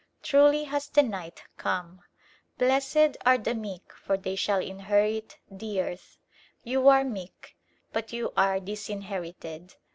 Truly has the night come! "Blessed are the meek, for they shall inherit the earth." You are meek, but you are disinherited.